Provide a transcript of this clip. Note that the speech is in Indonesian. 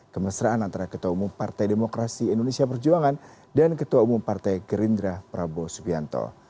kemesraan antara ketua umum partai demokrasi indonesia perjuangan dan ketua umum partai gerindra prabowo subianto